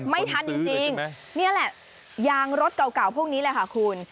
ไม่ทันจริงนี่แหละยางรถเก่าพวกนี้แหละค่ะคุณ